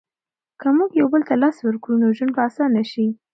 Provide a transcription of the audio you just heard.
که موږ یو بل ته لاس ورکړو نو ژوند به اسانه شي.